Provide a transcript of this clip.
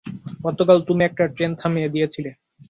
গতকাল তুমি একটা ট্রেন থামিয়ে দিয়েছিলে।